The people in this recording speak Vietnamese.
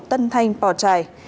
tân thanh pò trài